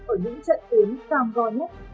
ở những trận tuyến cam go nhất